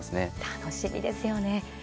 楽しみですよね。